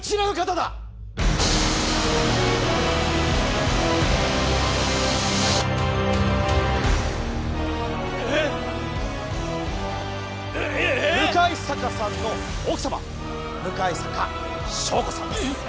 向坂さんの奥様・向坂翔子さんです。